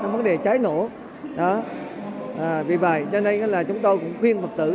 vì vậy cho nên là chúng tôi cũng khuyên phật tử